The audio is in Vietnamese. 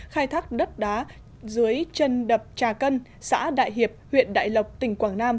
khai thác đất đá dưới chân đập trà cân xã đại hiệp huyện đại lộc tỉnh quảng nam